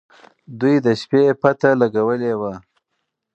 دوی د شپې پته لګولې وه.